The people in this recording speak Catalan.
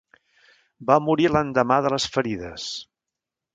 Va morir l'endemà de les ferides.